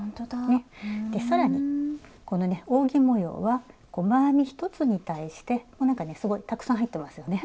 ねっ更にこのね扇模様は細編み１つに対してこうなんかねすごいたくさん入ってますよね